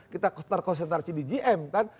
kita konsentrasi di gm kan